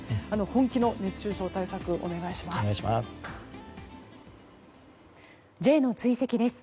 本気の熱中症対策をお願いします。